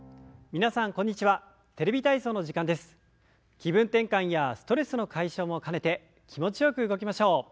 気分転換やストレスの解消も兼ねて気持ちよく動きましょう。